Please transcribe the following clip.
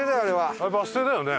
あれバス停だよね？